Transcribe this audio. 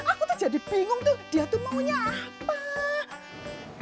aku tuh jadi bingung tuh dia tuh maunya apa